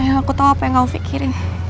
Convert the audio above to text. sayang aku tau apa yang kamu pikirin